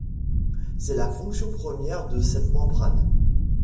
C'est la fonction première de cette membrane.